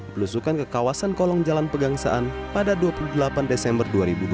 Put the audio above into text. belusukan ke kawasan kolong jalan pegangsaan pada dua puluh delapan desember dua ribu dua puluh